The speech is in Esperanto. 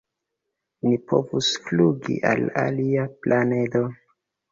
"Ni povas flugi al alia planedo!"